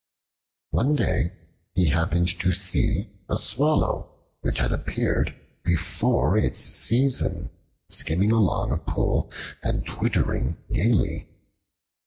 One day he happened to see a Swallow, which had appeared before its season, skimming along a pool and twittering gaily.